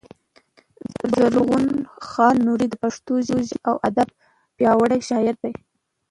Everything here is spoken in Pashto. زرغون خان نورزى د پښتو ژبـي او ادب پياوړی شاعر دﺉ.